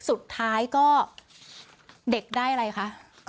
สุดท้ายก็เด็กได้อะไรคะ